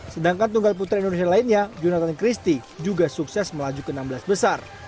sedangkan tunggal putra indonesia lainnya jonathan christie juga sukses melaju ke enam belas besar